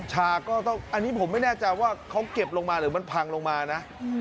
ชาก็ต้องอันนี้ผมไม่แน่ใจว่าเขาเก็บลงมาหรือมันพังลงมานะ